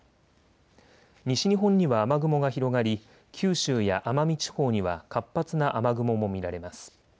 西日本には雨雲が広がり九州や奄美地方には活発な雨雲も見られます。